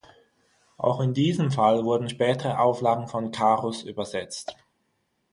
Auch in diesem Fall wurden spätere Auflagen von Carus übersetzt.